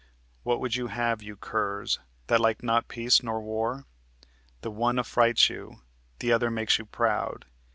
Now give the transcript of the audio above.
What would you have, you curs, That like not peace nor war? The one affrights you, The other makes you proud.